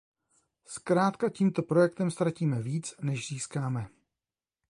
Zkrátka tímto projektem ztratíme víc, než získáme.